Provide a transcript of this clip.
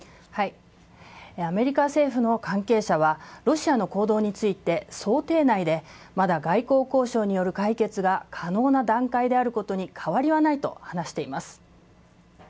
アメリカ政府の関係者は、ロシアの行動について想定内で、まだ外交交渉による解決が可能な段階であることに変わりはないと話しています。